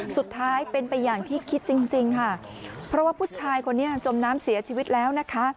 สุดท้ายเป็นไปอย่างที่คิดจริงจริงค่ะเพราะว่าผู้ชายคนนี้จมน้ำเสียชีวิตแล้วนะคะ